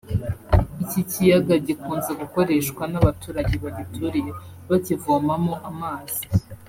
Iki kiyaga gikunze gukoreshwa n’abaturage bagituriye bakivomamo amazi